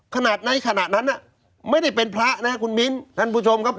ขนาดไหนขนาดนั้นน่ะไม่ได้เป็นพระนะครับคุณมิ้นท์ท่านผู้ชมครับ